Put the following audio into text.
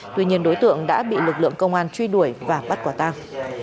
tuy nhiên đối tượng đã bị lực lượng công an truy đuổi và bắt quả tang